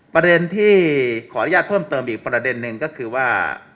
ประเด็นที่ขออนุญาตเพิ่มเติมอีกประเด็นหนึ่งก็คือว่า